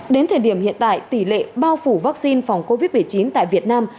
đến thời điểm hiện tại tỷ lệ bao phủ vaccine phòng covid một mươi chín tại việt nam